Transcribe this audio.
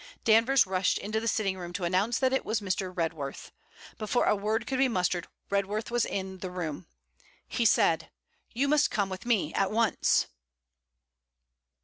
Danvers rushed into the sitting room to announce that it was Mr. Redworth. Before a word could be mustered, Redworth was in the room. He said: 'You must come with me at once!'